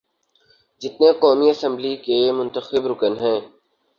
جتنے قومی اسمبلی کے منتخب رکن ہیں۔